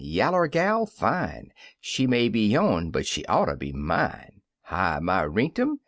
Yaller gal fine; She may be yone but she oughter be minel Hi my rinktum